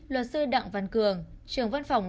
luật sư đặng văn cường trưởng văn phòng